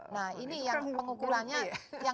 nah ini yang pengukurannya